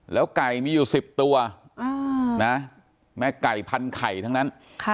ไก่มีอยู่๑๐ตัวแม่ไก่พันไข่ทั้งนั้น